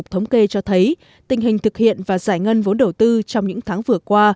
thống kê cho thấy tình hình thực hiện và giải ngân vốn đầu tư trong những tháng vừa qua